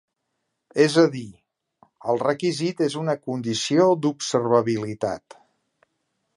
És a dir, el requisit és una condició d'observabilitat.